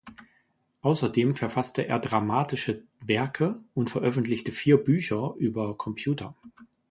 Außerdem verfasste er dramatische Werke und veröffentlichte vier Bücher über Computer.